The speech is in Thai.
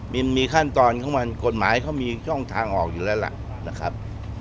มันมีขั้นตอนของมันกฎหมายเขามีช่องทางออกอยู่แล้วล่ะนะครับ